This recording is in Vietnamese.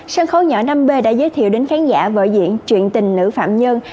sân khấu nhỏ năm b đã giới thiệu đến khán giả vợ diễn chuyện tình nữ phạm nhân